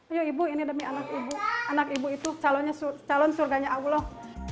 oh ibu ini demi anak ibu anak ibu itu calon surganya allah